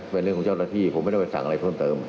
เป็นเรื่องของเจ้าหน้าที่ผมไม่ต้องไปสั่งอะไรเพิ่มเติม